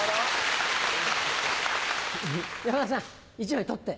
山田さん１枚取って。